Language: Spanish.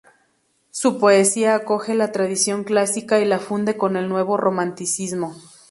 Su poesía acoge la tradición clásica y la funde con el nuevo romanticismo.